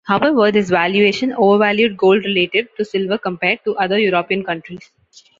However, this valuation overvalued gold relative to silver compared to other European countries.